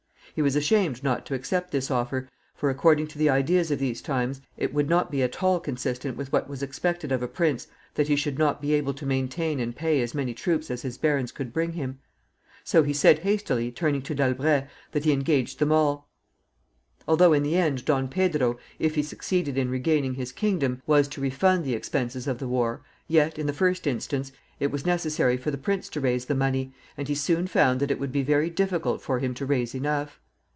He was ashamed not to accept this offer, for, according to the ideas of these times, it would not be at all consistent with what was expected of a prince that he should not be able to maintain and pay as many troops as his barons could bring him. So he said hastily, turning to D'Albret, that he engaged them all. Although, in the end, Don Pedro, if he succeeded in regaining his kingdom, was to refund the expenses of the war, yet, in the first instance, it was necessary for the prince to raise the money, and he soon found that it would be very difficult for him to raise enough.